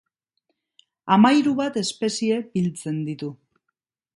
Hamahiru bat espezie biltzen ditu.